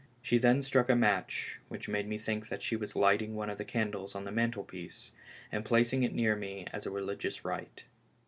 She then struck a match, which made me think that she was lighting one of the candles on the mantlepiece, and placing it near me as a religious rite.